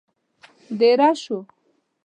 دېره شوو.